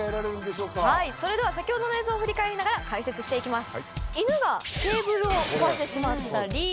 それでは先ほどの映像を振り返りながら解説していきます。